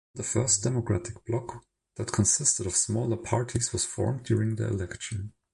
The first democratic bloc that consisted of smaller parties was formed during the election.